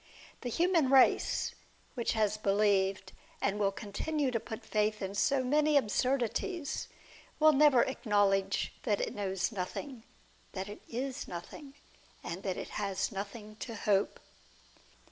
IXhe human race, which has believed, and will continue to put faith in so many absurdities, will never acknowledge that it kjiows nothing, that it isjQothing, and that it has nothing to hope.